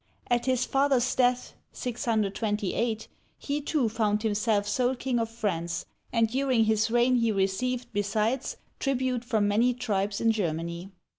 At his father's death (628), he too found himself sole king of France, and during his reign he received, besides, tribute from many tribes in Germany.